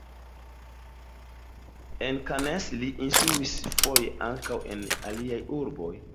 En Cannes li instruis, foje ankaŭ en aliaj urboj.